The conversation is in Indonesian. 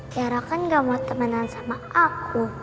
tiara kan gak mau temenan sama aku